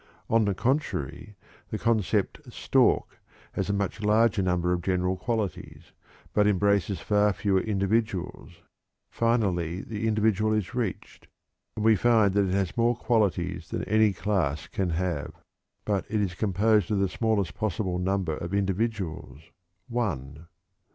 On the contrary, the concept "stork" has a much larger number of general qualities, but embraces far fewer individuals. Finally, the individual is reached, and we find that it has more qualities than any class can have; but it is composed of the smallest possible number of individuals, one.